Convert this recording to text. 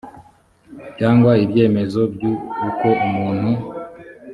cyangwa ibyemezo byu uko umuntu